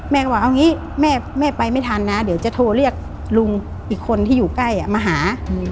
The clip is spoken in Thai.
ว่าเอางี้แม่ไปไม่ทันนะเดี๋ยวจะโทรเรียกลุงอีกคนที่อยู่ใกล้มาหา